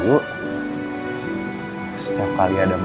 oh yang lisih